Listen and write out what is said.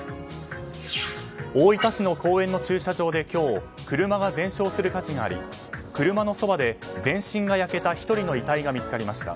大分市の公園の駐車場で今日、車が全焼する火事があり車のそばで全身が焼けた１人の遺体が見つかりました。